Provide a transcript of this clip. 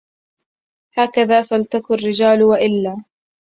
هكذا فلتك الرجال وإلا